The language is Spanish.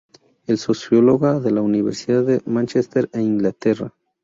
En Sociología de la Universidad de Mánchester en Inglaterra.